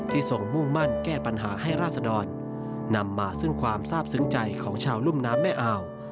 ทรงมุ่งมั่นแก้ปัญหาให้ราศดรนำมาซึ่งความทราบซึ้งใจของชาวรุ่มน้ำแม่อ่าว